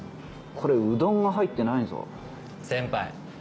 これうどんが入ってないぞ先輩